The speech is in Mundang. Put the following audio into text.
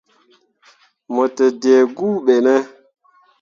Mo te dǝǝ guu ɓe ne ?